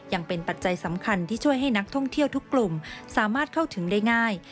ยังเป็นปัจจัยสำคัญที่ช่วยให้นักท่องเที่ยวทุกกลุ่มสามารถเข้าถึงได้ง่าย